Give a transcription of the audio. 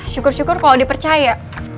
syukur syukur kalau dia percaya